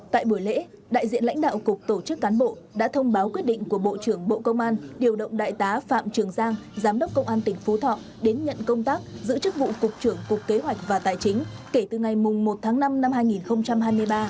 tại buổi lễ đại diện lãnh đạo cục tổ chức cán bộ đã thông báo quyết định của bộ trưởng bộ công an điều động đại tá phạm trường giang giám đốc công an tỉnh phú thọ đến nhận công tác giữ chức vụ cục trưởng cục kế hoạch và tài chính kể từ ngày một tháng năm năm hai nghìn hai mươi ba